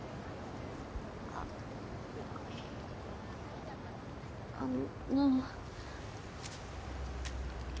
あっあの。